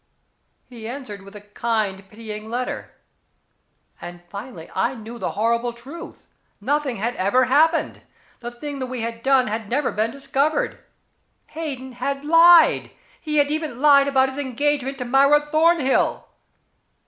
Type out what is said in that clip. He answered with a kind pitying letter and finally I knew the horrible truth. Nothing had ever happened. The thing we had done had never been discovered. Hayden had lied. He had even lied about his engagement to Myra Thornhill.